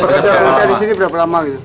sudah bekerja di sini berapa lama